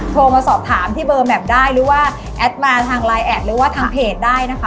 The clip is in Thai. โทรมาสอบถามที่เบอร์แมพได้หรือว่าแอดมาทางไลน์แอดหรือว่าทางเพจได้นะคะ